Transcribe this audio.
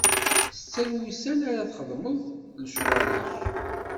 Setta n wussan ara txeddmeḍ lecɣal-ik.